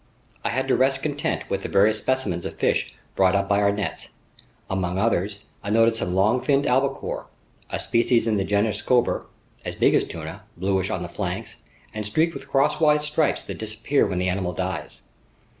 I had to rest content with the various specimens of fish brought up by our nets. Among others I noted some long finned albacore, a species in the genus Scomber, as big as tuna, bluish on the flanks, and streaked with crosswise stripes that disappear when the animal dies.